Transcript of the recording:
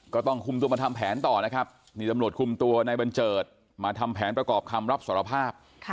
ก็ต้องคุมตัวมาทำแผนต่อนะครับนี่ตำรวจคุมตัวในบัญเจิดมาทำแผนประกอบคำรับสารภาพ